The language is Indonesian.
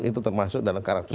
itu termasuk dalam karakteristik